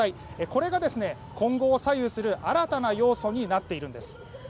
これが今後を左右する新たな要素になっているんです。